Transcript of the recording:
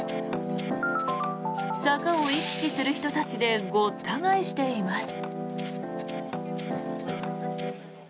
坂を行き来する人たちでごった返しています。